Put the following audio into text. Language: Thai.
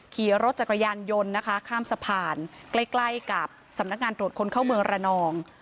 ขี่รถจากกระยานยนต์ข้ามสะพานใกล้กับสำรรดิ์งานตรวจคนเข้าเมืองรนอง